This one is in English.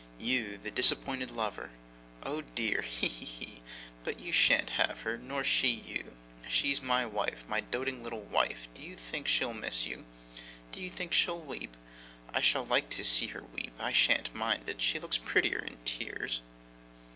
'You, the disappointed lover? Oh dear! He! he! he! But you shan't have her, nor she you. She's my wife, my doting little wife. Do you think she'll miss you? Do you think she'll weep? I shall like to see her weep, I shan't mind it. She looks prettier in tears.